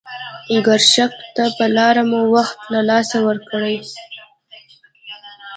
ګرشک ته پر لاره مو وخت له لاسه ورکړی.